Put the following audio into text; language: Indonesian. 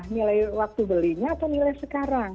nilai waktu belinya atau nilai sekarang